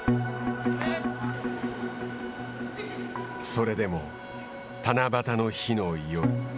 それでも、七夕の日の夜。